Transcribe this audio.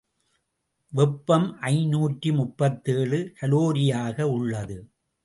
வெப்பம் ஐநூற்று முப்பத்தேழு கலோரியாக உள்ளது.